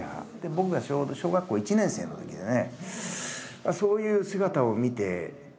僕がちょうど小学校１年生のときでね。